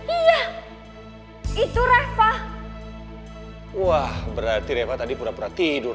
iya itu reva wah berarti reva tadi pura pura tidur